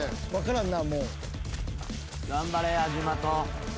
頑張れ安嶋と石橋。